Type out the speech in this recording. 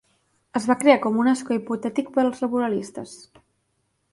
Es va crear com un escó hipotètic per als laboristes.